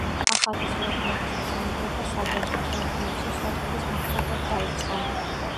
ახალი ზოოპარკის მშენებლობა საბავშვო სარკინიგზო სადგურის მახლობლად დაიწყო.